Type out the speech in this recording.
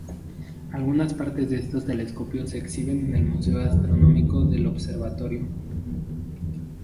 Algunas partes de estos telescopios se exhiben en el museo Astronómico del Observatorio.